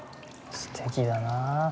すてきだな。